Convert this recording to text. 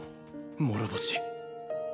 諸星。